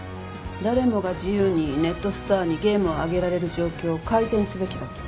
誰もが自由にネットストアにゲームを上げられる状況を改善すべきだと？